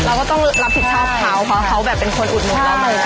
เราก็ต้องรับผิดชอบเขาเพราะเขาแบบเป็นคนอุดมรอบ